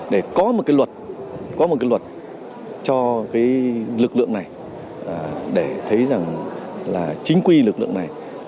để có một cái luật cho cái lực lượng này để thấy rằng là chính quy lực lượng này